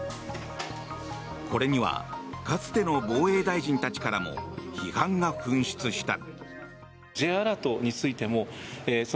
これにはかつての防衛大臣たちからも批判が噴出した。